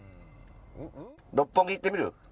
六本木行ってみる？